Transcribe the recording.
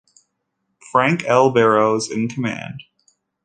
Frank L. Barrows in command.